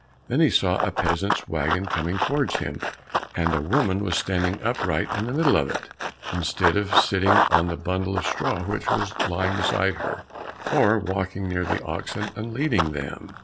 Then he saw a peasant's waggon coming towards him, and a woman was standing upright in the middle of it, instead of sitting on the bundle of straw which was lying beside her, or walking near the oxen and leading them.